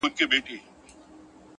پوهه د تیارو افکارو پر وړاندې ډال ده!